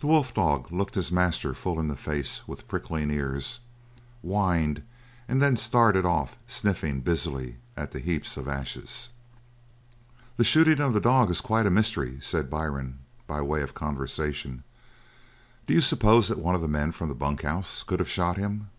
The wolf dog looked his master full in the face with pricking ears, whined and then started off sniffling busily at the heaps of ashes. "The shooting of the dog is quite a mystery," said Byrne, by way of conversation. "Do you suppose that one of the men from the bunk house could have shot him?"